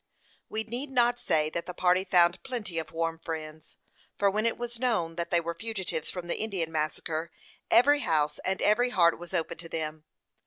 We need not say that the party found plenty of warm friends; for when it was known that they were fugitives from the Indian massacre, every house and every heart was open to them.